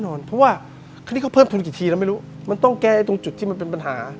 เพราะว่าคราวนี้เขาเพิ่มทุนกี่ทีแล้วไม่รู้มันต้องแก้ตรงจุดที่มันเป็นปัญหา